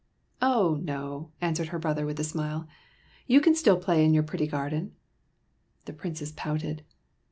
" Oh no," answered her brother, with a smile ;" you can still play in your pretty garden." The Princess pouted.